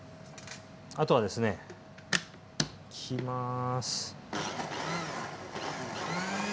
あとはですねいきます。